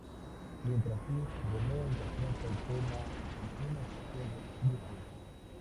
Mientras que, Romero interpreta el tema en una estación de buses.